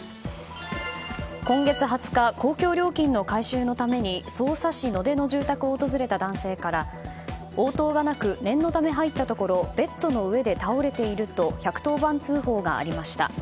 今月２０日公共料金の回収のために匝瑳市の住宅を訪れた男性から応答がなく念のため入ったところベッドの上で倒れていると１１０番通報がありました。